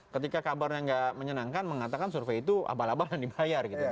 ketika kabarnya nggak menyenangkan mengatakan survei itu abal abal dan dibayar gitu